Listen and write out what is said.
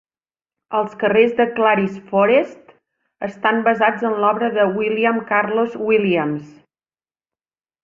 Els carrers de Clary's Forest estan basats en l'obra de William Carlos Williams.